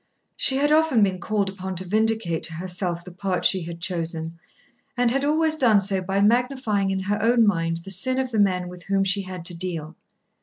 She had often been called upon to vindicate to herself the part she had chosen, and had always done so by magnifying in her own mind the sin of the men with whom she had to deal.